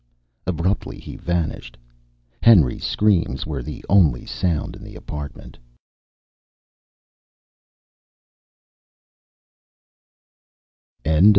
Abruptly, he vanished. Henry's screams were the only sound in the apartment.